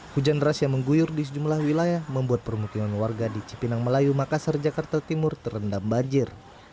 hujan deras yang mengguyur di sejumlah wilayah membuat permukiman warga di cipinang melayu makassar jakarta timur terendam banjir